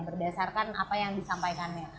berdasarkan apa yang disampaikan